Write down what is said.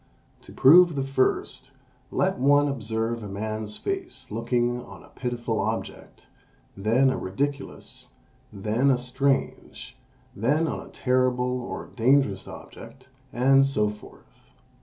To prove the first, let one observe a man's face looking on a pitiful object, then a ridiculous, then a strange, then on a terrible or dangerous object, and so forth.